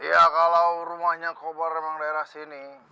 iya kalau rumahnya kobar emang daerah sini